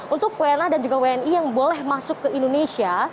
untuk wna dan juga wni yang boleh masuk ke indonesia